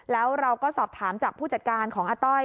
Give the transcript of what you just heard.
แล้วเราก็สอบถามจากผู้จัดการของอาต้อย